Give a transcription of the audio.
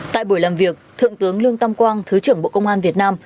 tại buổi làm việc thượng tướng lương tam quang thứ trưởng bộ công an việt nam